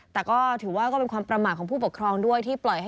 แต่หรือเป็นความประหม่าสของผู้ปกครองด้วย